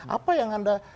apa yang anda